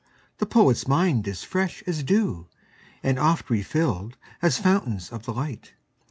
The poet's mind is fresh as dew, And oft refilled as fountains of the light.